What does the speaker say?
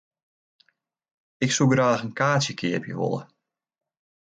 Ik soe graach in kaartsje keapje wolle.